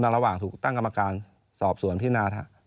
ระหว่างถูกตั้งกรรมการสอบสวนพินา